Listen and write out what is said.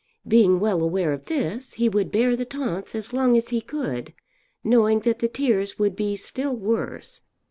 Being well aware of this he would bear the taunts as long as he could, knowing that the tears would be still worse.